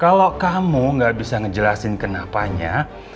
kalau kamu gak bisa ngejelasin kenapanya